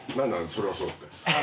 それはそうって。